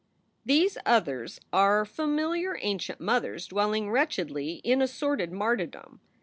These others are familiar ancient mothers dwelling wretch edly in a sordid martyrdom.